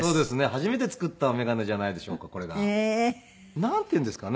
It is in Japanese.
初めて作った眼鏡じゃないでしょうかこれが。なんていうんですかね。